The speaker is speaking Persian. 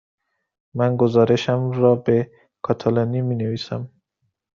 من گزارشم را به کاتالانی می نویسم.